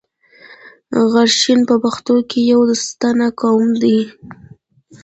غرشین په پښتنو کښي يو ستانه قوم دﺉ.